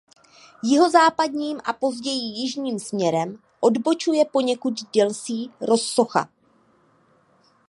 Jihozápadním a později jižním směrem odbočuje poněkud delší rozsocha.